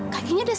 lagi ke akar